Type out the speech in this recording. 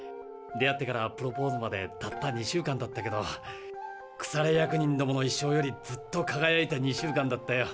出会ってからプロポーズまでたった２週間だったけどくされ役人どもの一生よりずっと輝いた２週間だったよ。